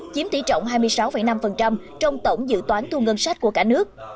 chiếm tỷ trọng hai mươi sáu năm trong tổng dự toán thu ngân sách của cả nước